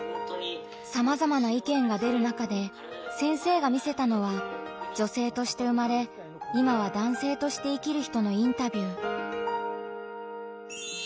さまざまな意見が出る中で先生が見せたのは女性として生まれ今は男性として生きる人のインタビュー。